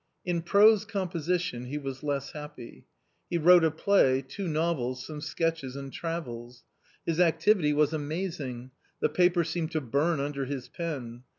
In prose composition he was less happy. He wrote a play, two novels, some sketches and travels. His activity was amazing, the paper seemed to burn under his pen.